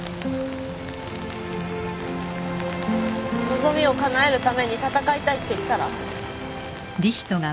望みをかなえるために戦いたいって言ったら？